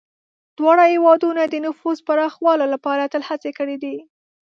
دواړه هېوادونه د نفوذ پراخولو لپاره تل هڅې کړي دي.